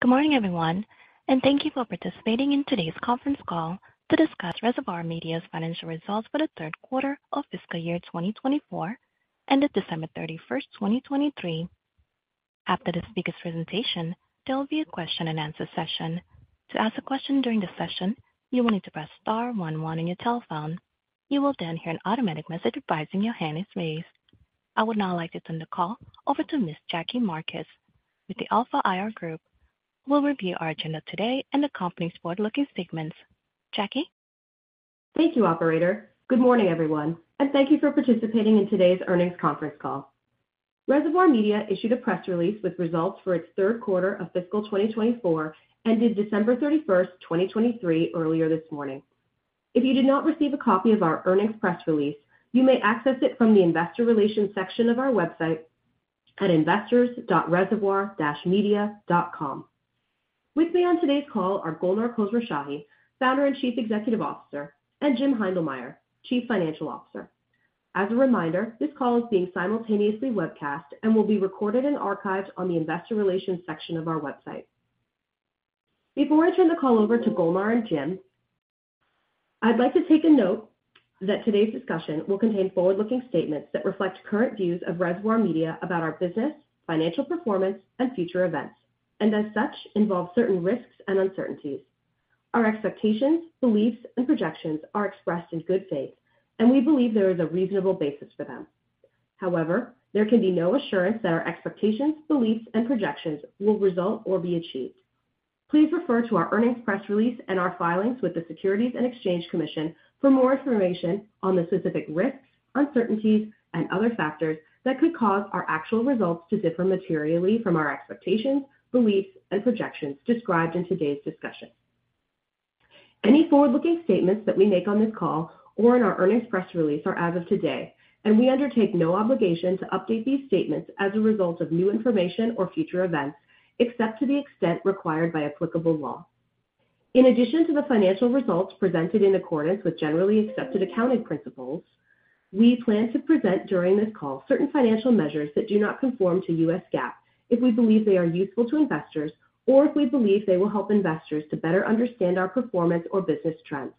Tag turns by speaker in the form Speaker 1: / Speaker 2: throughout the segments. Speaker 1: Good morning, everyone, and thank you for participating in today's conference call to discuss Reservoir Media's financial results for the third quarter of fiscal year 2024, ended December 31, 2023. After the speaker's presentation, there will be a question-and-answer session. To ask a question during the session, you will need to press star one one on your telephone. You will then hear an automatic message advising your hand is raised. I would now like to turn the call over to Miss Jackie Marcus with the Alpha IR Group, who will review our agenda today and the company's forward-looking statements. Jackie?
Speaker 2: Thank you, operator. Good morning, everyone, and thank you for participating in today's earnings conference call. Reservoir Media issued a press release with results for its third quarter of fiscal 2024, ended December 31, 2023, earlier this morning. If you did not receive a copy of our earnings press release, you may access it from the investor relations section of our website at investors.reservoir-media.com. With me on today's call are Golnar Khosrowshahi, Founder and Chief Executive Officer, and Jim Heindlmeyer, Chief Financial Officer. As a reminder, this call is being simultaneously webcast and will be recorded and archived on the investor relations section of our website. Before I turn the call over to Golnar and Jim, I'd like to take a note that today's discussion will contain forward-looking statements that reflect current views of Reservoir Media about our business, financial performance, and future events, and as such, involve certain risks and uncertainties. Our expectations, beliefs, and projections are expressed in good faith, and we believe there is a reasonable basis for them. However, there can be no assurance that our expectations, beliefs, and projections will result or be achieved. Please refer to our earnings press release and our filings with the Securities and Exchange Commission for more information on the specific risks, uncertainties, and other factors that could cause our actual results to differ materially from our expectations, beliefs, and projections described in today's discussion. Any forward-looking statements that we make on this call or in our earnings press release are as of today, and we undertake no obligation to update these statements as a result of new information or future events, except to the extent required by applicable law. In addition to the financial results presented in accordance with generally accepted accounting principles, we plan to present during this call certain financial measures that do not conform to U.S. GAAP if we believe they are useful to investors or if we believe they will help investors to better understand our performance or business trends.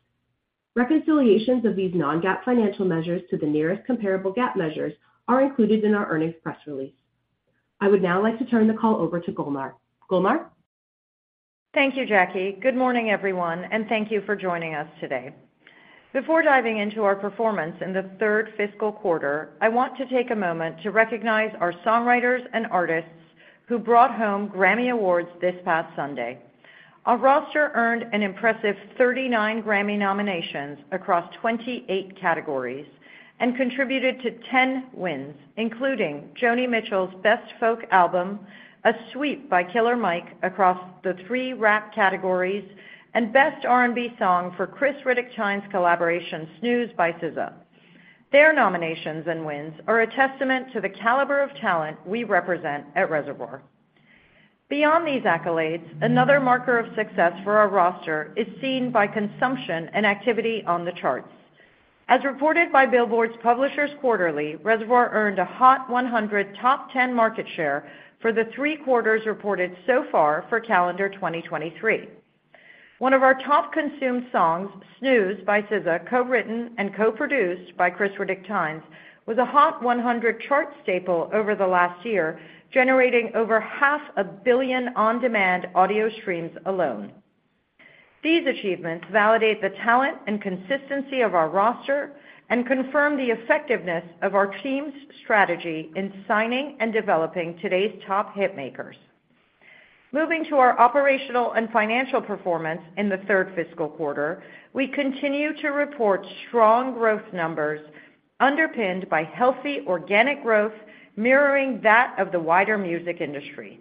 Speaker 2: Reconciliations of these non-GAAP financial measures to the nearest comparable GAAP measures are included in our earnings press release. I would now like to turn the call over to Golnar. Golnar?
Speaker 3: Thank you, Jackie. Good morning, everyone, and thank you for joining us today. Before diving into our performance in the third fiscal quarter, I want to take a moment to recognize our songwriters and artists who brought home Grammy Awards this past Sunday. Our roster earned an impressive 39 Grammy nominations across 28 categories and contributed to 10 wins, including Joni Mitchell's Best Folk Album, a sweep by Killer Mike across the three rap categories, and Best R&B Song for Chris Riddick-Tynes' collaboration, Snooze by SZA. Their nominations and wins are a testament to the caliber of talent we represent at Reservoir. Beyond these accolades, another marker of success for our roster is seen by consumption and activity on the charts. As reported by Billboard's Publishers Quarterly, Reservoir earned a Hot 100 top ten market share for the 3 quarters reported so far for calendar 2023. One of our top consumed songs, Snooze, by SZA, co-written and co-produced by Chris Riddick-Tynes, was a Hot 100 chart staple over the last year, generating over 500 million on-demand audio streams alone. These achievements validate the talent and consistency of our roster and confirm the effectiveness of our team's strategy in signing and developing today's top hitmakers. Moving to our operational and financial performance in the third fiscal quarter, we continue to report strong growth numbers underpinned by healthy organic growth, mirroring that of the wider music industry.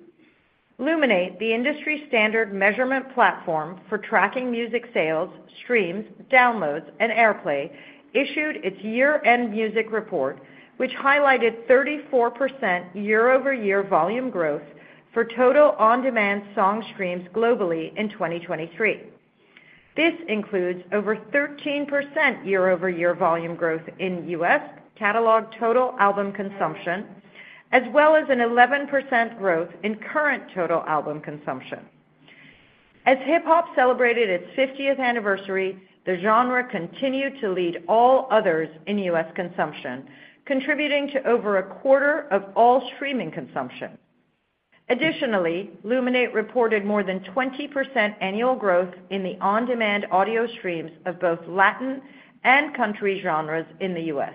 Speaker 3: Luminate, the industry standard measurement platform for tracking music sales, streams, downloads, and airplay, issued its year-end music report, which highlighted 34% year-over-year volume growth for total on-demand song streams globally in 2023. This includes over 13% year-over-year volume growth in U.S. catalog total album consumption, as well as an 11% growth in current total album consumption. As hip-hop celebrated its 50th anniversary, the genre continued to lead all others in U.S. consumption, contributing to over a quarter of all streaming consumption. Additionally, Luminate reported more than 20% annual growth in the on-demand audio streams of both Latin and country genres in the U.S.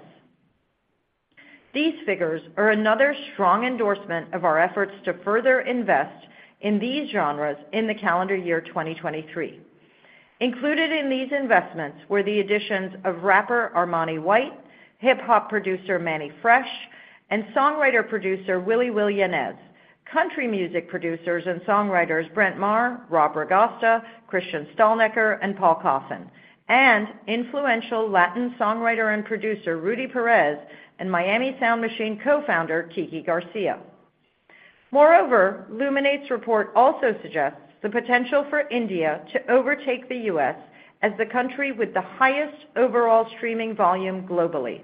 Speaker 3: These figures are another strong endorsement of our efforts to further invest in these genres in the calendar year 2023. Included in these investments were the additions of rapper Armani White, hip-hop producer Mannie Fresh, and songwriter-producer Willy William, country music producers and songwriters Brent Maher, Rob Ragosta, Christian Stalnecker, and Paul Cauthen, and influential Latin songwriter and producer Rudy Perez and Miami Sound Machine co-founder Kiki Garcia. Moreover, Luminate's report also suggests the potential for India to overtake the U.S. as the country with the highest overall streaming volume globally.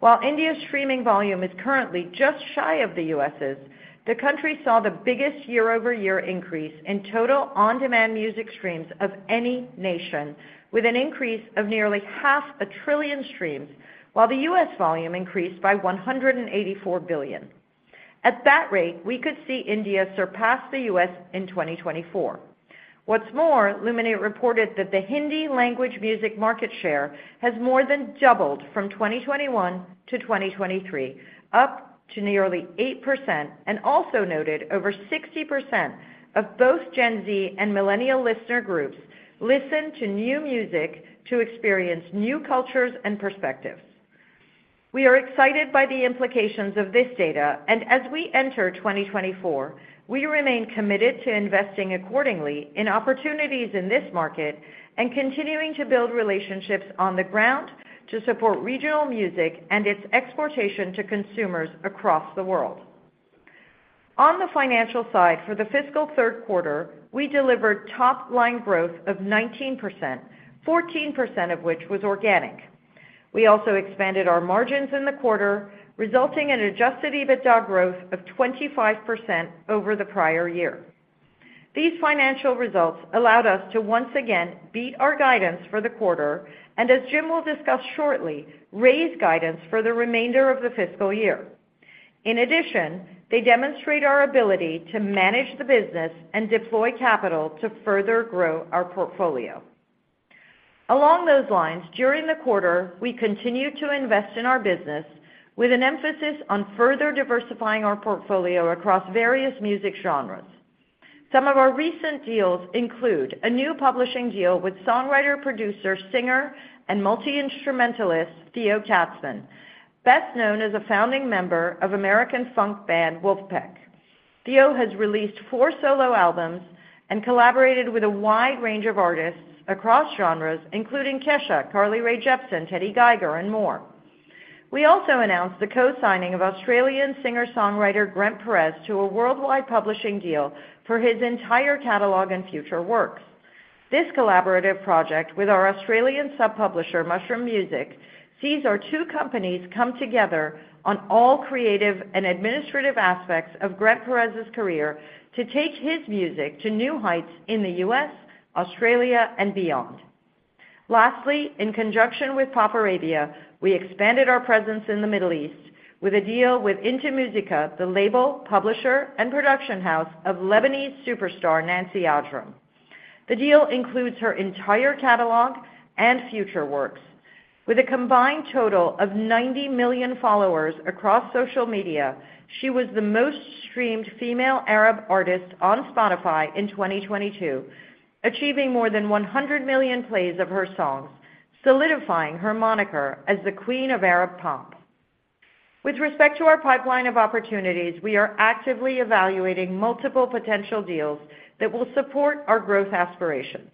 Speaker 3: While India's streaming volume is currently just shy of the U.S.'s, the country saw the biggest year-over-year increase in total on-demand music streams of any nation, with an increase of nearly 500 billion streams, while the U.S. volume increased by 184 billion. At that rate, we could see India surpass the U.S. in 2024. What's more, Luminate reported that the Hindi language music market share has more than doubled from 2021 to 2023, up to nearly 8%, and also noted over 60% of both Gen Z and millennial listener groups listen to new music to experience new cultures and perspectives. We are excited by the implications of this data, and as we enter 2024, we remain committed to investing accordingly in opportunities in this market and continuing to build relationships on the ground to support regional music and its exportation to consumers across the world. On the financial side, for the fiscal third quarter, we delivered top-line growth of 19%, 14% of which was organic. We also expanded our margins in the quarter, resulting in Adjusted EBITDA growth of 25% over the prior year. These financial results allowed us to once again beat our guidance for the quarter, and as Jim will discuss shortly, raise guidance for the remainder of the fiscal year. In addition, they demonstrate our ability to manage the business and deploy capital to further grow our portfolio. Along those lines, during the quarter, we continued to invest in our business with an emphasis on further diversifying our portfolio across various music genres. Some of our recent deals include a new publishing deal with songwriter, producer, singer, and multi-instrumentalist, Theo Katzman, best known as a founding member of American funk band, Vulfpeck. Theo has released four solo albums and collaborated with a wide range of artists across genres, including Kesha, Carly Rae Jepsen, Teddy Geiger, and more. We also announced the co-signing of Australian singer-songwriter, grentperez, to a worldwide publishing deal for his entire catalog and future works. This collaborative project with our Australian sub-publisher, Mushroom Music, sees our two companies come together on all creative and administrative aspects of grentperez's career to take his music to new heights in the U.S., Australia, and beyond. Lastly, in conjunction with PopArabia, we expanded our presence in the Middle East with a deal with In2Musica, the label, publisher, and production house of Lebanese superstar, Nancy Ajram. The deal includes her entire catalog and future works. With a combined total of 90 million followers across social media, she was the most-streamed female Arab artist on Spotify in 2022, achieving more than 100 million plays of her songs, solidifying her moniker as the Queen of Arab Pop. With respect to our pipeline of opportunities, we are actively evaluating multiple potential deals that will support our growth aspirations.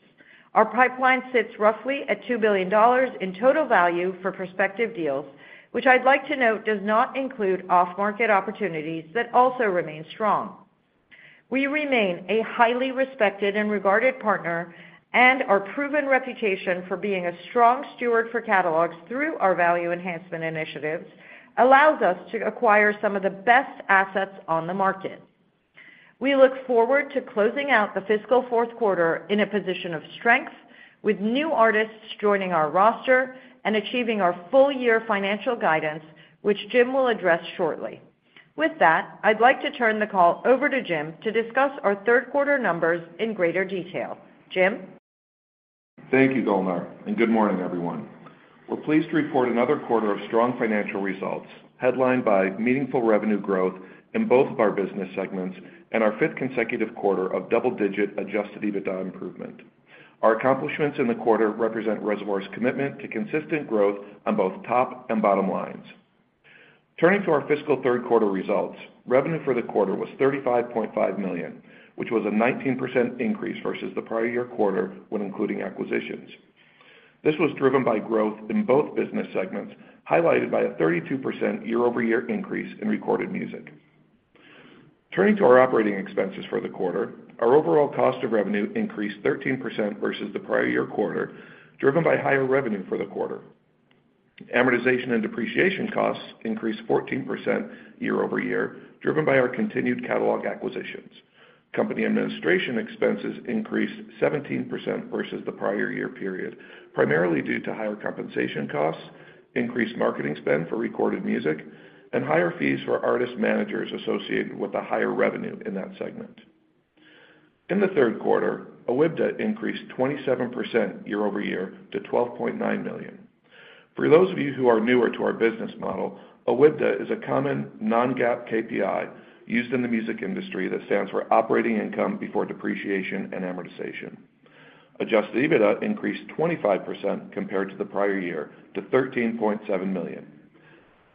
Speaker 3: Our pipeline sits roughly at $2 billion in total value for prospective deals, which I'd like to note, does not include off-market opportunities that also remain strong. We remain a highly respected and regarded partner, and our proven reputation for being a strong steward for catalogs through our value enhancement initiatives, allows us to acquire some of the best assets on the market. We look forward to closing out the fiscal fourth quarter in a position of strength with new artists joining our roster and achieving our full-year financial guidance, which Jim will address shortly. With that, I'd like to turn the call over to Jim to discuss our third quarter numbers in greater detail. Jim?
Speaker 4: Thank you, Golnar, and good morning, everyone. We're pleased to report another quarter of strong financial results, headlined by meaningful revenue growth in both of our business segments and our fifth consecutive quarter of double-digit adjusted EBITDA improvement. Our accomplishments in the quarter represent Reservoir's commitment to consistent growth on both top and bottom lines. Turning to our fiscal third quarter results, revenue for the quarter was $35.5 million, which was a 19% increase versus the prior year quarter when including acquisitions. This was driven by growth in both business segments, highlighted by a 32% year-over-year increase in recorded music. Turning to our operating expenses for the quarter, our overall cost of revenue increased 13% versus the prior year quarter, driven by higher revenue for the quarter. Amortization and depreciation costs increased 14% year over year, driven by our continued catalog acquisitions. Company administration expenses increased 17% versus the prior year period, primarily due to higher compensation costs, increased marketing spend for recorded music, and higher fees for artist managers associated with the higher revenue in that segment. In the third quarter, OIBDA increased 27% year-over-year to $12.9 million. For those of you who are newer to our business model, OIBDA is a common non-GAAP KPI used in the music industry that stands for Operating Income Before Depreciation and Amortization. Adjusted EBITDA increased 25% compared to the prior year, to $13.7 million.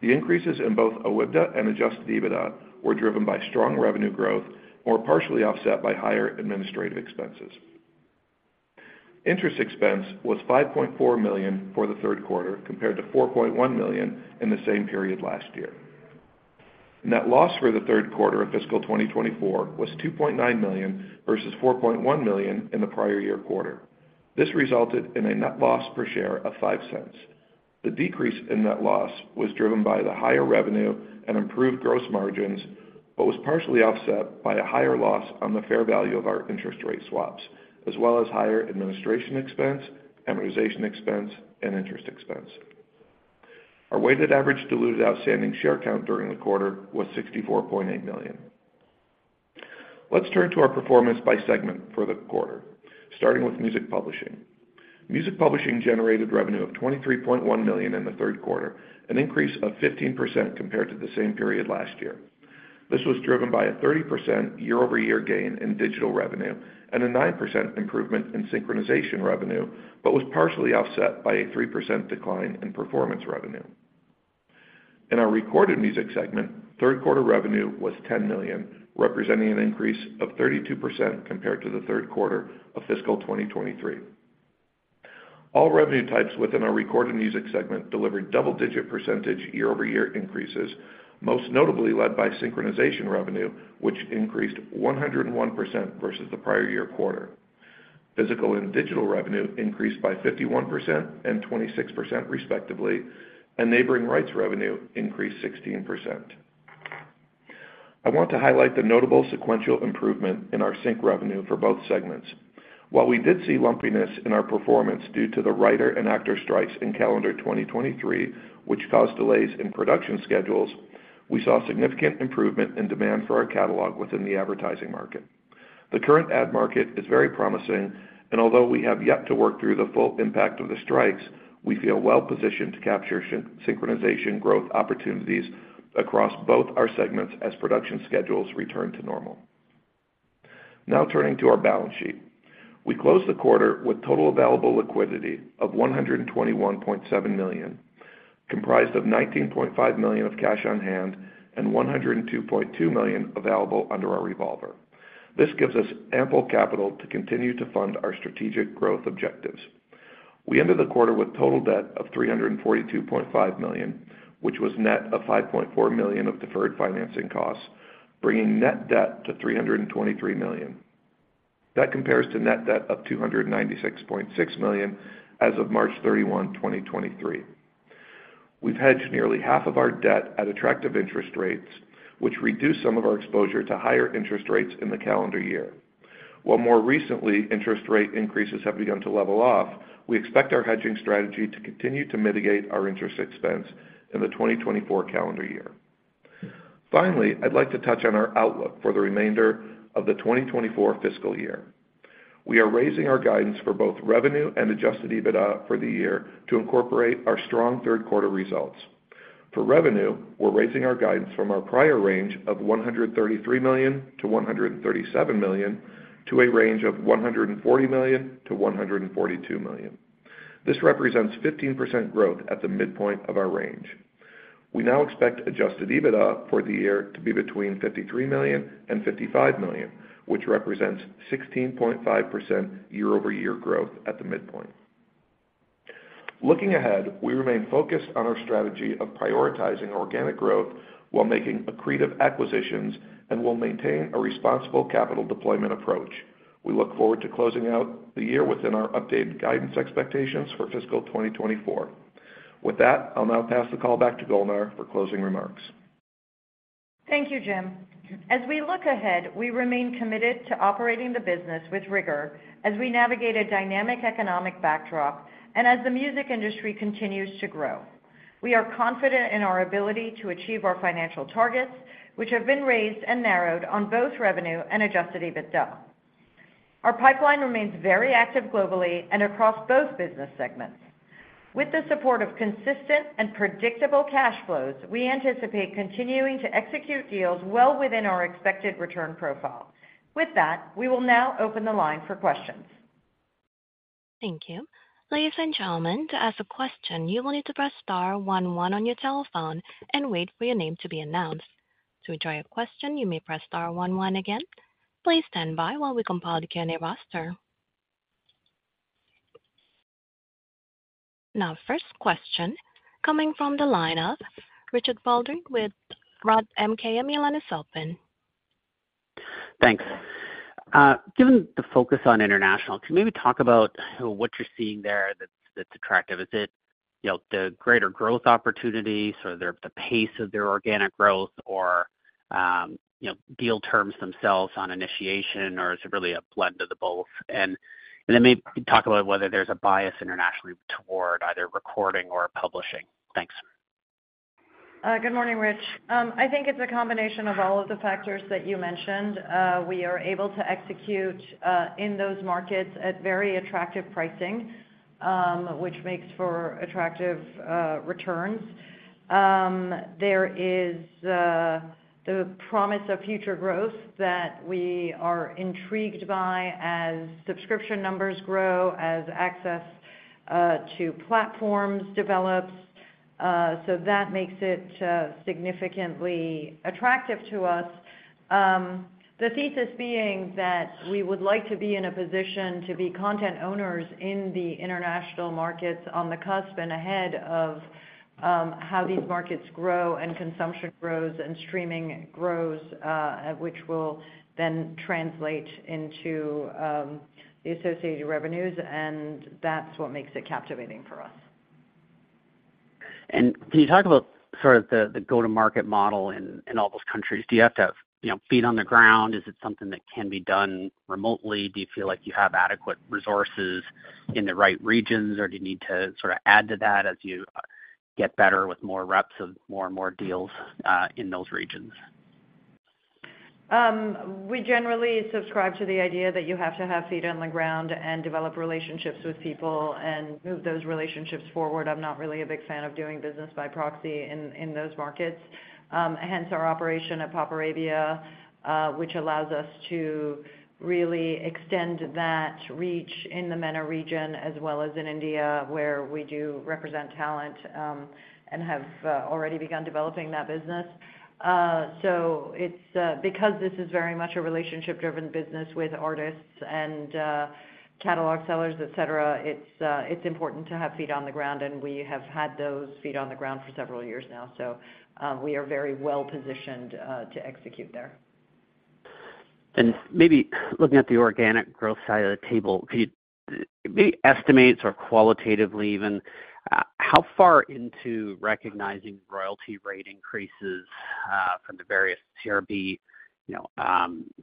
Speaker 4: The increases in both OIBDA and adjusted EBITDA were driven by strong revenue growth, more partially offset by higher administrative expenses. Interest expense was $5.4 million for the third quarter, compared to $4.1 million in the same period last year. Net loss for the third quarter of fiscal 2024 was $2.9 million versus $4.1 million in the prior year quarter. This resulted in a net loss per share of $0.05. The decrease in net loss was driven by the higher revenue and improved gross margins, but was partially offset by a higher loss on the fair value of our interest rate swaps, as well as higher administration expense, amortization expense, and interest expense. Our weighted average diluted outstanding share count during the quarter was 64.8 million. Let's turn to our performance by segment for the quarter, starting with music publishing. Music publishing generated revenue of $23.1 million in the third quarter, an increase of 15% compared to the same period last year. This was driven by a 30% year-over-year gain in digital revenue and a 9% improvement in synchronization revenue, but was partially offset by a 3% decline in performance revenue. In our recorded music segment, third quarter revenue was $10 million, representing an increase of 32% compared to the third quarter of fiscal 2023. All revenue types within our recorded music segment delivered double-digit percentage year-over-year increases, most notably led by synchronization revenue, which increased 101% versus the prior year quarter. Physical and digital revenue increased by 51% and 26%, respectively, and neighboring rights revenue increased 16%. I want to highlight the notable sequential improvement in our sync revenue for both segments. While we did see lumpiness in our performance due to the writer and actor strikes in calendar 2023, which caused delays in production schedules, we saw significant improvement in demand for our catalog within the advertising market. The current ad market is very promising, and although we have yet to work through the full impact of the strikes, we feel well positioned to capture synchronization growth opportunities across both our segments as production schedules return to normal. Now turning to our balance sheet. We closed the quarter with total available liquidity of $121.7 million, comprised of $19.5 million of cash on hand and $102.2 million available under our revolver. This gives us ample capital to continue to fund our strategic growth objectives. We ended the quarter with total debt of $342.5 million, which was net of $5.4 million of deferred financing costs, bringing net debt to $323 million. That compares to net debt of $296.6 million as of March 31, 2023. We've hedged nearly half of our debt at attractive interest rates, which reduce some of our exposure to higher interest rates in the calendar year. While more recently, interest rate increases have begun to level off, we expect our hedging strategy to continue to mitigate our interest expense in the 2024 calendar year. Finally, I'd like to touch on our outlook for the remainder of the 2024 fiscal year. We are raising our guidance for both revenue and Adjusted EBITDA for the year to incorporate our strong third quarter results. For revenue, we're raising our guidance from our prior range of $133 million-$137 million, to a range of $140 million-$142 million. This represents 15% growth at the midpoint of our range. We now expect Adjusted EBITDA for the year to be between $53 million and $55 million, which represents 16.5% year-over-year growth at the midpoint. Looking ahead, we remain focused on our strategy of prioritizing organic growth while making accretive acquisitions and will maintain a responsible capital deployment approach. We look forward to closing out the year within our updated guidance expectations for fiscal 2024. With that, I'll now pass the call back to Golnar for closing remarks.
Speaker 3: Thank you, Jim. As we look ahead, we remain committed to operating the business with rigor as we navigate a dynamic economic backdrop and as the music industry continues to grow. We are confident in our ability to achieve our financial targets, which have been raised and narrowed on both revenue and Adjusted EBITDA. Our pipeline remains very active globally and across both business segments. With the support of consistent and predictable cash flows, we anticipate continuing to execute deals well within our expected return profile. With that, we will now open the line for questions.
Speaker 1: Thank you. Ladies and gentlemen, to ask a question, you will need to press star one one on your telephone and wait for your name to be announced. To withdraw your question, you may press star one one again. Please stand by while we compile the Q&A roster. Now, first question coming from the line of Richard Baldry with Roth MKM. Your line is open.
Speaker 5: Thanks. Given the focus on international, can you maybe talk about what you're seeing there that's attractive? Is it, you know, the greater growth opportunities or the pace of their organic growth or, you know, deal terms themselves on initiation, or is it really a blend of both? And then maybe talk about whether there's a bias internationally toward either recording or publishing. Thanks.
Speaker 3: Good morning, Rich. I think it's a combination of all of the factors that you mentioned. We are able to execute in those markets at very attractive pricing, which makes for attractive returns. There is the promise of future growth that we are intrigued by as subscription numbers grow, as access to platforms develops.... so that makes it significantly attractive to us. The thesis being that we would like to be in a position to be content owners in the international markets on the cusp and ahead of how these markets grow and consumption grows and streaming grows, which will then translate into the associated revenues, and that's what makes it captivating for us.
Speaker 5: Can you talk about sort of the go-to-market model in all those countries? Do you have to have, you know, feet on the ground? Is it something that can be done remotely? Do you feel like you have adequate resources in the right regions, or do you need to sort of add to that as you get better with more reps and more and more deals in those regions?
Speaker 3: We generally subscribe to the idea that you have to have feet on the ground and develop relationships with people and move those relationships forward. I'm not really a big fan of doing business by proxy in those markets. Hence our operation at PopArabia, which allows us to really extend that reach in the MENA region as well as in India, where we do represent talent, and have already begun developing that business. So it's because this is very much a relationship-driven business with artists and catalog sellers, et cetera, it's important to have feet on the ground, and we have had those feet on the ground for several years now. So, we are very well positioned to execute there.
Speaker 5: Maybe looking at the organic growth side of the table, can you maybe estimates or qualitatively even, how far into recognizing royalty rate increases from the various CRB, you know,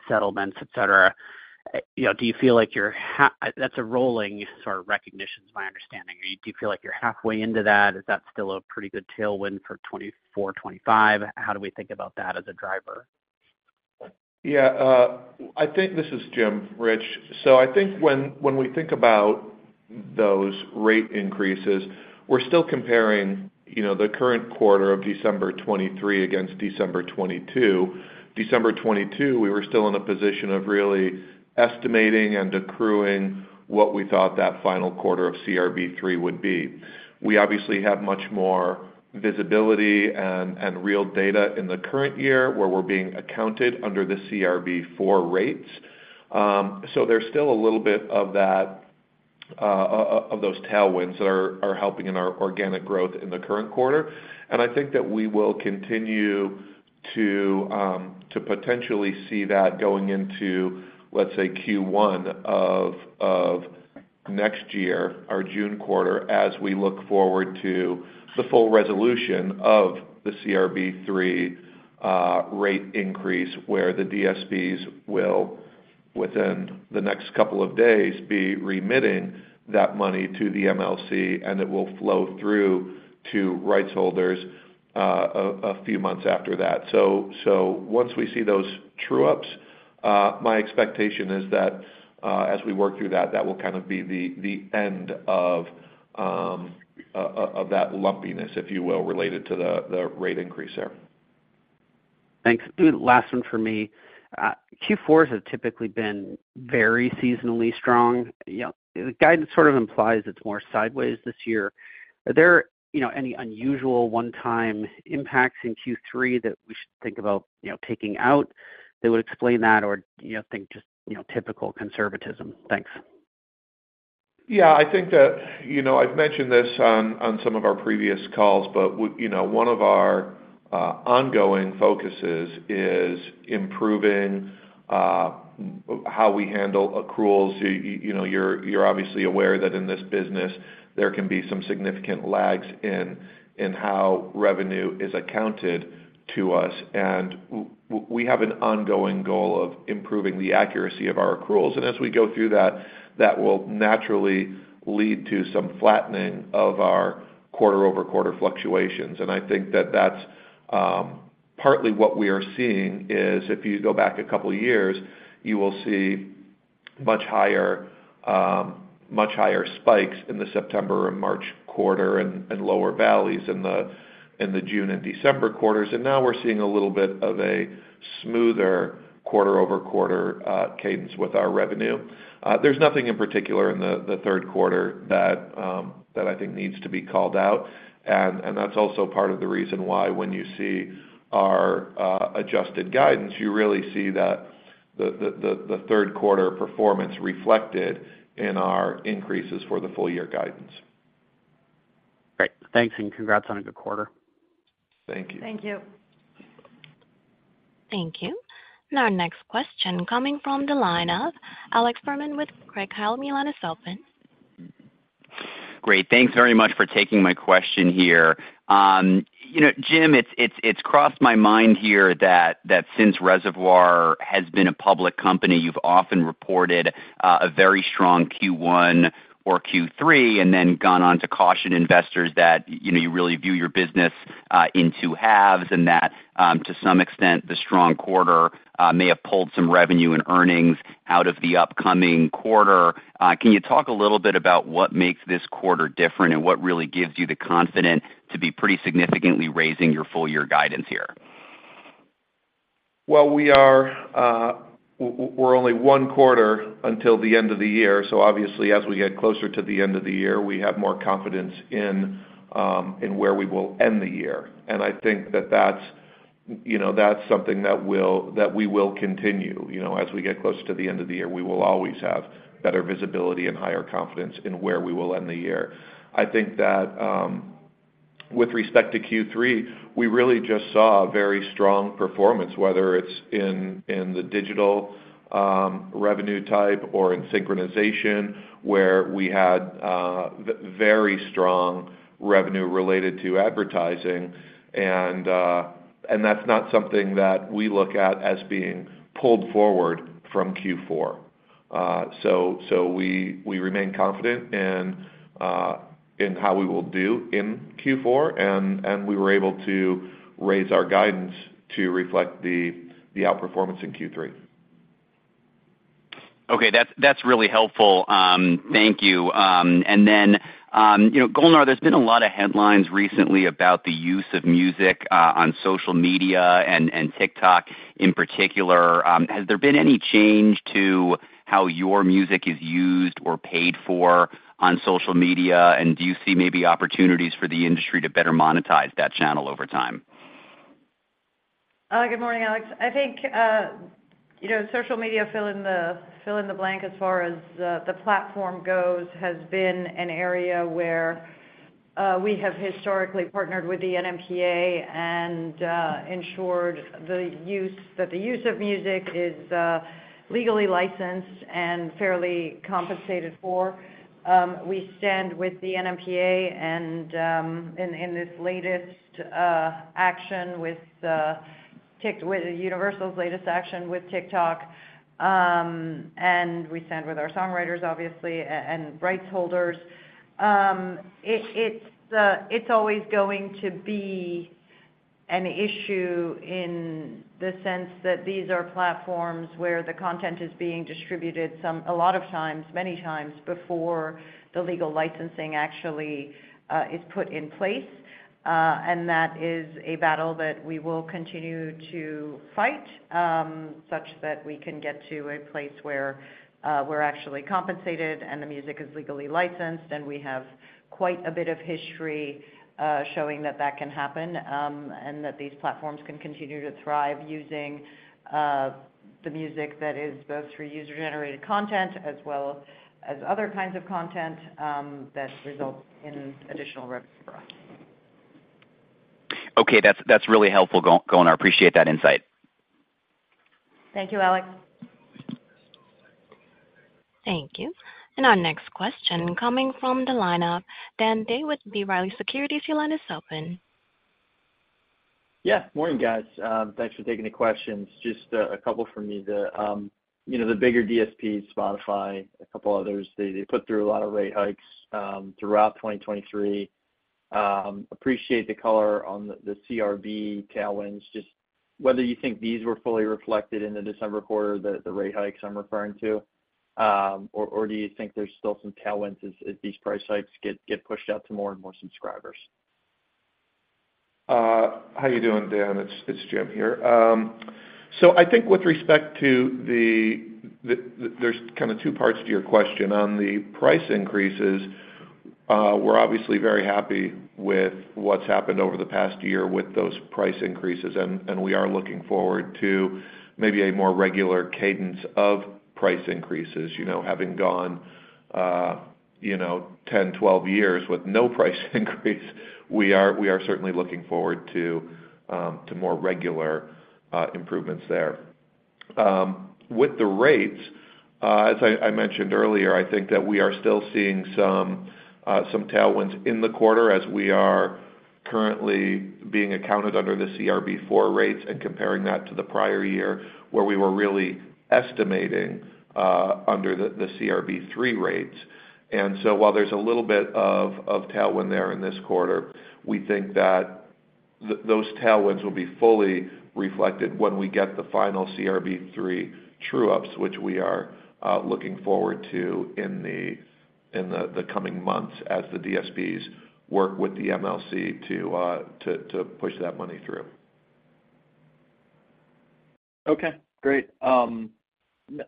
Speaker 5: settlements, et cetera, you know, do you feel like you're. That's a rolling sort of recognition, is my understanding. Do you feel like you're halfway into that? Is that still a pretty good tailwind for 2024, 2025? How do we think about that as a driver?
Speaker 4: Yeah, I think... This is Jim, Rich. So I think when we think about those rate increases, we're still comparing, you know, the current quarter of December 2023 against December 2022. December 2022, we were still in a position of really estimating and accruing what we thought that final quarter of CRB3 would be. We obviously have much more visibility and real data in the current year, where we're being accounted under the CRB4 rates. So there's still a little bit of that of those tailwinds that are helping in our organic growth in the current quarter. I think that we will continue to potentially see that going into, let's say, Q1 of next year, our June quarter, as we look forward to the full resolution of the CRB3 rate increase, where the DSPs will, within the next couple of days, be remitting that money to the MLC, and it will flow through to rights holders, a few months after that. So once we see those true ups, my expectation is that, as we work through that, that will kind of be the end of that lumpiness, if you will, related to the rate increase there.
Speaker 5: Thanks. Last one for me. Q4s have typically been very seasonally strong. You know, the guidance sort of implies it's more sideways this year. Are there, you know, any unusual one-time impacts in Q3 that we should think about, you know, taking out that would explain that? Or, do you think just, you know, typical conservatism? Thanks.
Speaker 4: Yeah, I think that. You know, I've mentioned this on, on some of our previous calls, but you know, one of our ongoing focuses is improving how we handle accruals. You know, you're obviously aware that in this business, there can be some significant lags in how revenue is accounted to us, and we have an ongoing goal of improving the accuracy of our accruals. And as we go through that, that will naturally lead to some flattening of our quarter-over-quarter fluctuations. And I think that that's partly what we are seeing, is if you go back a couple of years, you will see much higher much higher spikes in the September and March quarter and lower valleys in the June and December quarters. Now we're seeing a little bit of a smoother quarter-over-quarter cadence with our revenue. There's nothing in particular in the third quarter that I think needs to be called out. That's also part of the reason why when you see our adjusted guidance, you really see that the third quarter performance reflected in our increases for the full year guidance.
Speaker 5: Great. Thanks, and congrats on a good quarter.
Speaker 4: Thank you.
Speaker 3: Thank you.
Speaker 1: Thank you. Our next question coming from the line of Alex Fuhrman with Craig-Hallum, your line is open.
Speaker 6: Great, thanks very much for taking my question here. You know, Jim, it's crossed my mind here that since Reservoir has been a public company, you've often reported a very strong Q1 or Q3, and then gone on to caution investors that, you know, you really view your business in two halves, and that to some extent, the strong quarter may have pulled some revenue and earnings out of the upcoming quarter. Can you talk a little bit about what makes this quarter different, and what really gives you the confidence to be pretty significantly raising your full year guidance here?...
Speaker 4: Well, we are, we're only one quarter until the end of the year, so obviously, as we get closer to the end of the year, we have more confidence in in where we will end the year. And I think that that's, you know, that's something that will-- that we will continue. You know, as we get closer to the end of the year, we will always have better visibility and higher confidence in where we will end the year. I think that, with respect to Q3, we really just saw a very strong performance, whether it's in, in the digital revenue type or in synchronization, where we had, very strong revenue related to advertising. And, and that's not something that we look at as being pulled forward from Q4. So, we remain confident in how we will do in Q4, and we were able to raise our guidance to reflect the outperformance in Q3.
Speaker 6: Okay, that's, that's really helpful. Thank you. And then, you know, Golnar, there's been a lot of headlines recently about the use of music on social media and TikTok in particular. Has there been any change to how your music is used or paid for on social media? And do you see maybe opportunities for the industry to better monetize that channel over time?
Speaker 3: Good morning, Alex. I think, you know, social media, fill in the blank as far as the platform goes, has been an area where we have historically partnered with the NMPA and ensured that the use of music is legally licensed and fairly compensated for. We stand with the NMPA and in Universal's latest action with TikTok. And we stand with our songwriters, obviously, and rights holders. It's always going to be an issue in the sense that these are platforms where the content is being distributed a lot of times, many times before the legal licensing actually is put in place. And that is a battle that we will continue to fight, such that we can get to a place where we're actually compensated and the music is legally licensed. And we have quite a bit of history showing that that can happen, and that these platforms can continue to thrive using the music that is both for user-generated content as well as other kinds of content that result in additional revenue for us.
Speaker 6: Okay. That's, that's really helpful, Golnar. I appreciate that insight.
Speaker 3: Thank you, Alex.
Speaker 1: Thank you. Our next question coming from the lineup, Dan Day with B. Riley Securities, your line is open.
Speaker 7: Yeah. Morning, guys. Thanks for taking the questions. Just, a couple from me. The, you know, the bigger DSP, Spotify, a couple others, they, they put through a lot of rate hikes, throughout 2023. Appreciate the color on the CRB tailwinds. Just whether you think these were fully reflected in the December quarter, the, the rate hikes I'm referring to, or, or do you think there's still some tailwinds as, as these price hikes get, get pushed out to more and more subscribers?
Speaker 4: How you doing, Dan? It's Jim here. So I think with respect to the... There's kind of two parts to your question. On the price increases, we're obviously very happy with what's happened over the past year with those price increases, and we are looking forward to maybe a more regular cadence of price increases. You know, having gone, you know, 10, 12 years with no price increase, we are certainly looking forward to more regular improvements there. With the rates, as I mentioned earlier, I think that we are still seeing some tailwinds in the quarter as we are currently being accounted under the CRB4 rates, and comparing that to the prior year, where we were really estimating under the CRB3 rates. And so while there's a little bit of tailwind there in this quarter, we think that those tailwinds will be fully reflected when we get the final CRB3 true ups, which we are looking forward to in the coming months as the DSPs work with the MLC to push that money through.
Speaker 7: Okay, great.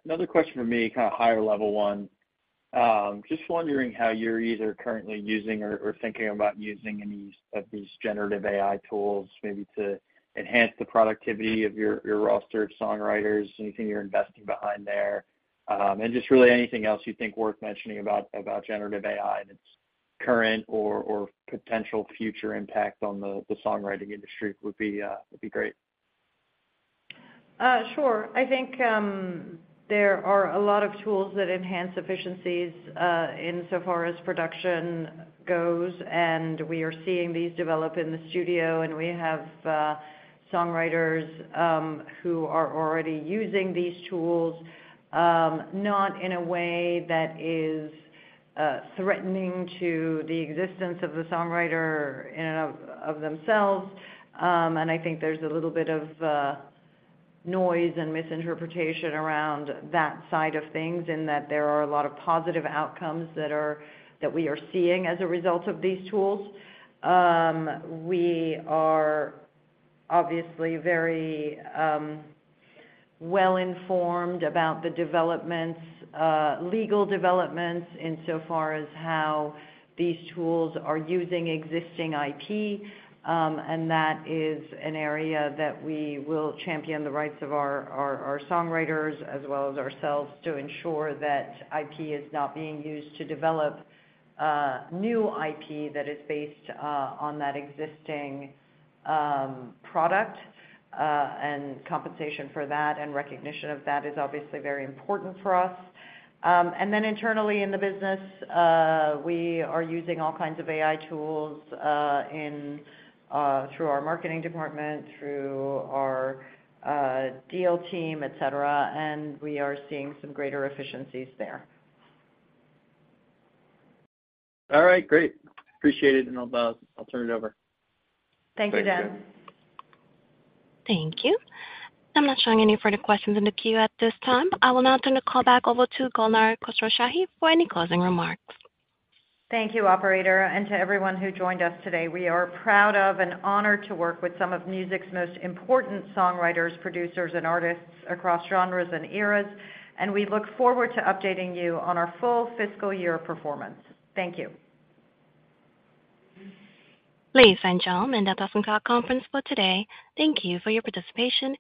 Speaker 7: Another question from me, kind of higher level one. Just wondering how you're either currently using or thinking about using any of these generative AI tools, maybe to enhance the productivity of your roster of songwriters, anything you're investing behind there? And just really anything else you think worth mentioning about generative AI and its current or potential future impact on the songwriting industry would be great.
Speaker 3: Sure. I think there are a lot of tools that enhance efficiencies, in so far as production goes, and we are seeing these develop in the studio, and we have songwriters who are already using these tools, not in a way that is threatening to the existence of the songwriter in and of, of themselves. And I think there's a little bit of noise and misinterpretation around that side of things, in that there are a lot of positive outcomes that are - that we are seeing as a result of these tools. We are obviously very well-informed about the developments, legal developments in so far as how these tools are using existing IP, and that is an area that we will champion the rights of our songwriters as well as ourselves, to ensure that IP is not being used to develop new IP that is based on that existing product. And compensation for that and recognition of that is obviously very important for us. And then internally in the business, we are using all kinds of AI tools in through our marketing department, through our deal team, et cetera, and we are seeing some greater efficiencies there.
Speaker 7: All right, great. Appreciate it, and I'll, I'll turn it over.
Speaker 3: Thank you, Dan.
Speaker 1: Thank you. I'm not showing any further questions in the queue at this time. I will now turn the call back over to Golnar Khosrowshahi for any closing remarks.
Speaker 3: Thank you, operator, and to everyone who joined us today. We are proud of and honored to work with some of music's most important songwriters, producers, and artists across genres and eras, and we look forward to updating you on our full fiscal year performance. Thank you.
Speaker 1: Ladies and gentlemen, that does end our conference call today. Thank you for your participation and-